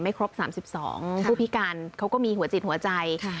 ไม่ครบสามสิบสองค่ะผู้พิการเขาก็มีหัวจิตหัวใจค่ะ